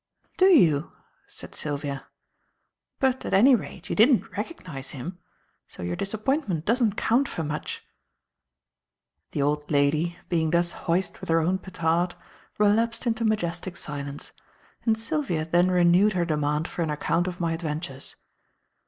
"Do you?" said Sylvia. "But, at any rate, you didn't recognize him; so your disappointment doesn't count for much." The old lady, being thus hoist with her own petard, relapsed into majestic silence; and Sylvia then renewed her demand for an account of my adventures.